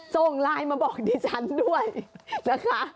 ส่งไลน์มาบอกดิฉันด้วยนะคะ